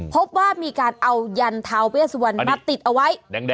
พบว่ามีการเอายันทาเวสวันมาติดเอาไว้